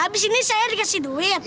habis ini saya dikasih duit